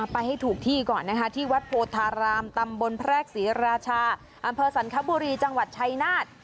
ไปให้ถูกที่ก่อนนะคะที่วัดโพธารามตำบลแพรกศรีราชาอำเภอสันคบุรีจังหวัดชัยนาธ